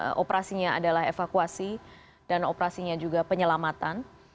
kemudian operasinya adalah evakuasi dan operasinya juga penyelamatan